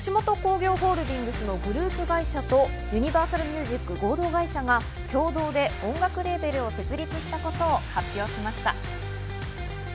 昨日、吉本興業ホールディングスのグループ会社とユニバーサルミュージック合同会社が共同で音楽レーベルを設立したことを発表しました。